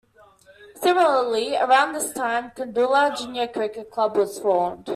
Similarly around this time Koondoola Junior Cricket Club was formed.